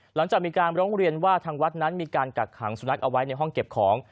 หลังจากมีการร้องเรียนว่าทางวัดนั้นมีการกักขังสุนัขเอาไว้ในห้องเก็บของ